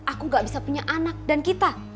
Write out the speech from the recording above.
aku gak bisa punya anak dan kita